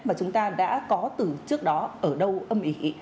mà chúng ta đã có từ trước đó ở đâu âm ỉ